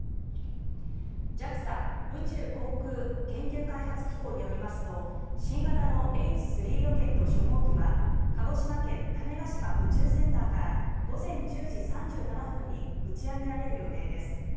ＪＡＸＡ・宇宙航空研究開発機構によりますと新型のＨ３ロケット初号機は鹿児島県・種子島宇宙センターから午前１０時３７分に打ち上げられる予定です。